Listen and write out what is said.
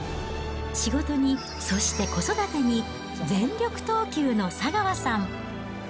仕事にそして子育てに、全力投球の佐川さん。